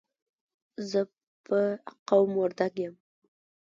زه په قوم وردګ یم.